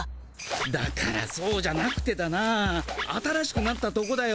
だからそうじゃなくてだな新しくなったとこだよ。